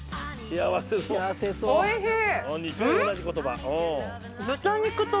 幸せそう。